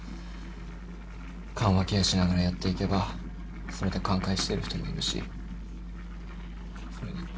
緩和ケアしながらやっていけばそれで寛解してる人もいるしそれに。